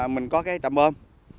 mình có cái trạm bơm